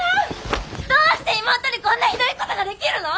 どうして妹にこんなひどい事ができるの！？